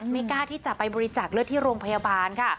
กล้าที่จะไปบริจาคเลือดที่โรงพยาบาลค่ะ